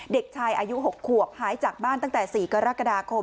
เด็กชายอายุ๖ขวบหายจากบ้านตั้งแต่๔กรกฎาคม